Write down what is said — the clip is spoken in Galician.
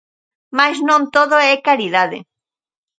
Mais non todo é caridade.